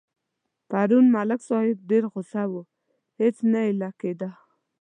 پرون ملک صاحب ډېر غوسه و هېڅ نه اېل کېدا.